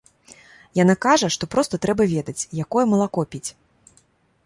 Яна кажа, што проста трэба ведаць, якое малако піць.